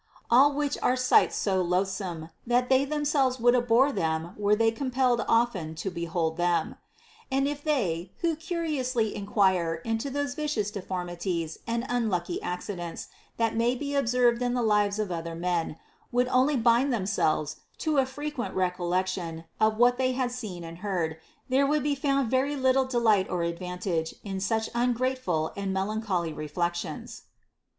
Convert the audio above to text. * All which are sights so loathsome, that they themselves * From the Theseus of Euripides, Frag. 383. 438 OF INQUISITIVENESS would abhor them were they compelled often to behold them. And if they who curiously enquire into those vicious deformities and unlucky accidents that may be observed in the lives of other men would only bind themselves to a frequent recollection of what they had seen and heard, there would be found very little delight or advantage in such ungrateful and melancholy reflections.